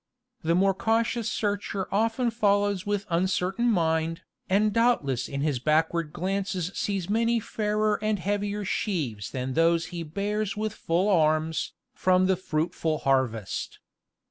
The more cautious searcher often follows with uncertain mind, and doubtless in his back ward glances sees many fairer and heavier sheaves than those he bears with full arms, from the fruitful harvest.